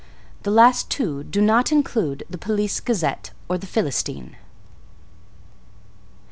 The last two do not include The Police Gazette or The Philistine.